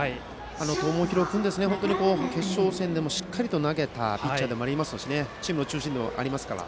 友廣君は決勝戦でもしっかりと投げたピッチャーでもありますしチームの中心でもありますから。